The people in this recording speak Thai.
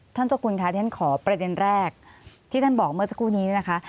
เจ้าคุณค่ะที่ฉันขอประเด็นแรกที่ท่านบอกเมื่อสักครู่นี้นะคะ